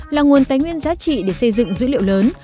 là nguồn tái nguyên giá trị để xây dựng dữ liệu lớn